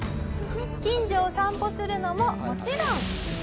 近所を散歩するのももちろん裸足です。